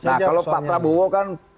nah kalau pak prabowo kan